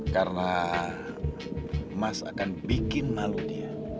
karena mas akan bikin malu dia